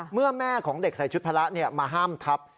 แม่ของเด็กใส่ชุดพระมาห้ามทับ